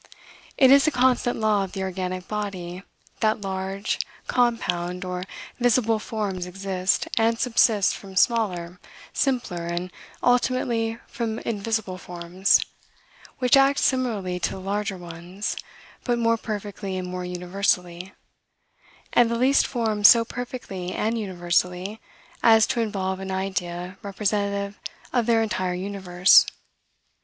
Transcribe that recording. "It is a constant law of the organic body, that large, compound, or visible forms exist and subsist from smaller, simpler, and ultimately from invisible forms, which act similarly to the larger ones, but more perfectly and more universally, and the least forms so perfectly and universally, as to involve an idea representative of their entire universe."